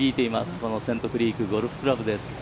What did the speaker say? このセントクリークゴルフクラブです。